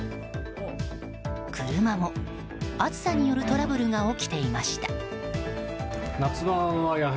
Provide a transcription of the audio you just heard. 車も暑さによるトラブルが起きていました。